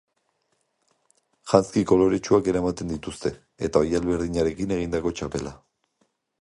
Janzki koloretsuak eramaten dituzte, eta oihal berdinarekin egindako txapela.